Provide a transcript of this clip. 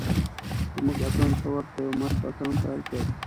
زموږ اتڼ ته ورته یو مست اتڼ پیل کړ.